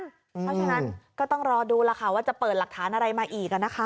เพราะฉะนั้นก็ต้องรอดูแล้วค่ะว่าจะเปิดหลักฐานอะไรมาอีก